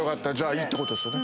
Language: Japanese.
いいってことですよね。